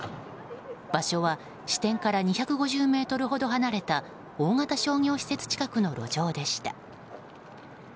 場所は支店から２５０ｍほど離れた大型商業施設近くの路上でした。